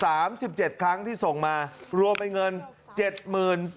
สามสิบเจ็ดครั้งที่ส่งมารวมเป็นเงินเจ็ดหมื่น